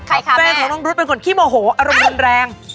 ใครคะแฟนของน้องรุ๊ดเป็นคนขี้โมโหอารมณ์รุนแรง